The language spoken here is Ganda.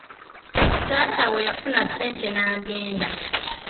Taata bwe yafuna ssente n'agenda.